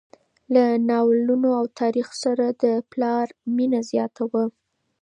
له ناولونو او تاریخ سره د پلار مینه زیاته وه.